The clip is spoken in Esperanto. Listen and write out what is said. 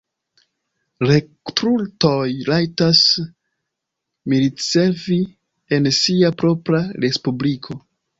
Rekrutoj rajtas militservi en sia propra respubliko.